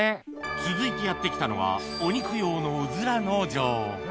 続いてやって来たのはお肉用のうずら農場